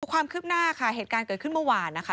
ความคืบหน้าค่ะเหตุการณ์เกิดขึ้นเมื่อวานนะคะ